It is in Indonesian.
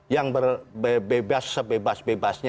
yang bebas sebebas bebasnya